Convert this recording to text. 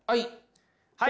はい。